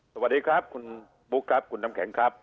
สวัสดีครับคุณบุ๊คครับคุณน้ำแข็งครับ